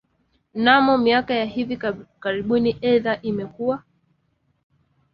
Mnamo miaka ya hivi karibuni idhaa imekua